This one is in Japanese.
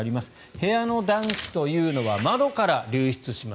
部屋の暖気というのは窓から流出します。